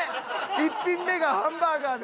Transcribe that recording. １品目がハンバーガーで。